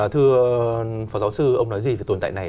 thưa phó giáo sư ông nói gì về tồn tại này